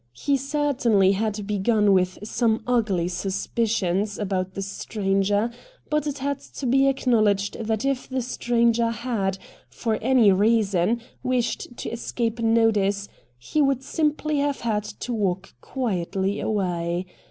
He certainly had begun with some ugly suspicions I 2 Ti6 RED DIAMONDS about the stranger, but it had to be acknow ledged that if the stranger had, for any reason, wished to escape notice, he would simply have had to walk quietly away.